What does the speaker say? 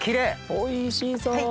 おいしそう。